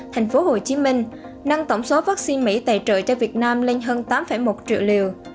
thành phố hồ chí minh nâng tổng số vaccine mỹ tài trợ cho việt nam lên hơn tám một triệu liều